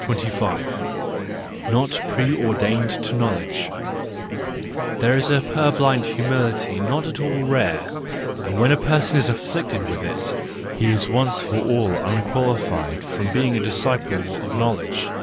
25 Not Pre ordained to Knowledge ,—There is a pur¬ blind humility not at all rare, and when a person is afflicted with it, he is once for all unqualified for being a disciple of knowledge.